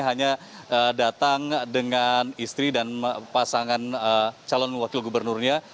hanya datang dengan istri dan pasangan calon wakil gubernurnya